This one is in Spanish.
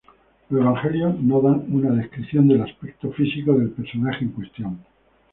Los evangelios no dan una descripción del aspecto físico del personaje en cuestión.